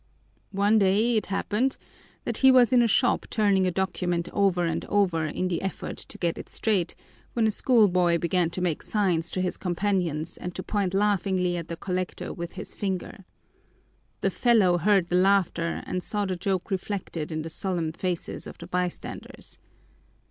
"One day it happened that he was in a shop turning a document over and over in the effort to get it straight when a schoolboy began to make signs to his companions and to point laughingly at the collector with his finger. The fellow heard the laughter and saw the joke reflected in the solemn faces of the bystanders.